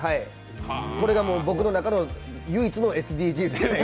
これが僕の中の唯一のＳＤＧｓです。